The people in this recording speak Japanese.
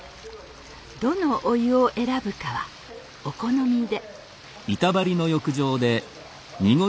どのお湯を選ぶかはお好みで。